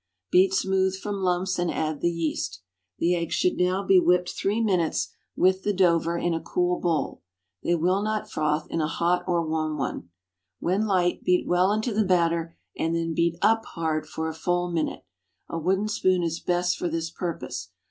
Beat smooth from lumps and add the yeast. The eggs should now be whipped three minutes with the "Dover," in a cool bowl. They will not froth in a hot or warm one. When light, beat well into the batter, and then beat up hard for a full minute. A wooden spoon is best for this purpose.